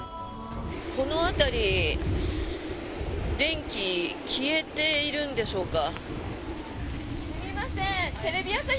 この辺り電気、消えているんでしょうか。